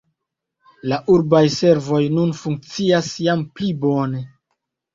La urbaj servoj nun funkcias jam pli bone.